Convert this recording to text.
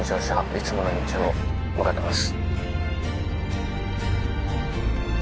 いつもの道を向かってます